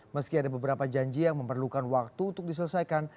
meski ada beberapa janji yang memerlukan waktu untuk diselesaikan